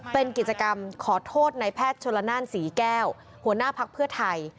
เป็นกิจกรรมขอโทษในแพทย์ชนละนานศรีแก้วหัวหน้าภักดิ์เพื่อไทย